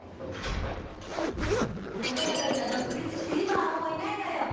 子供たちは独立して今はもういないのよ。